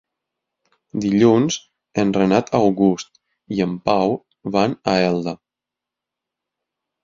Dilluns en Renat August i en Pau van a Elda.